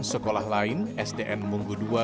sekolah lain sdn munggu ii